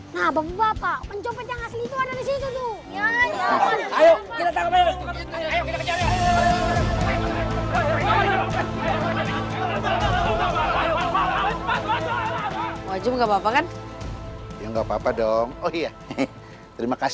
maaf ya pak kami salah paham